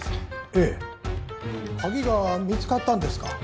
ええ鍵が見つかったんですか？